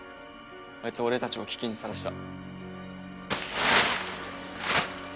あいつ俺たちを危険にさらした。